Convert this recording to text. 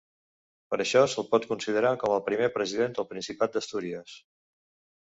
Per això se'l pot considerar com el Primer President del Principat d'Astúries.